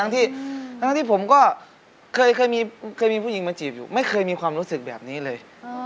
ทั้งที่ผมก็เคยมีผู้หญิงมาจีบอยู่ไม่เคยมีความรู้สึกแบบนี้เลย